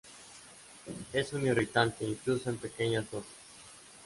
Es un irritante, incluso en pequeñas dosis.